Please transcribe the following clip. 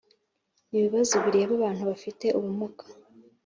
n ibibazo bireba Abantu bafite ubumuga